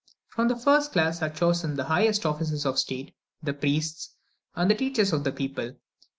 From the first class are chosen the highest officers of state, the priests, and the teachers of the people.